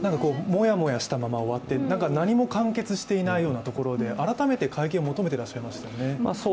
もやもやしたまま終わって、何も完結していないようなところで改めて会見を求めていらっしゃいましたよね。